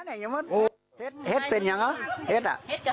เฮ็ดเป็นหรือยังเหรอเห็ด